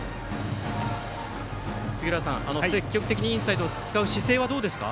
杉浦さん、積極的にインサイドを使う姿勢はどうですか？